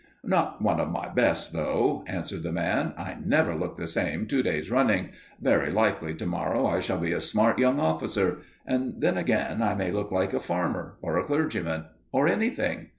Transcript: "Not one of my best, though," answered the man. "I never look the same two days running. Very likely to morrow I shall be a smart young officer; and then, again, I may look like a farmer, or a clergyman, or anything.